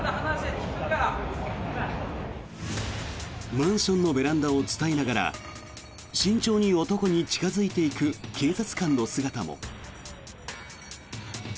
マンションのベランダを伝いながら慎重に男に近付いていく警察官の姿も。